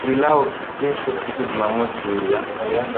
aa kundi lao kesho siku jumamosi india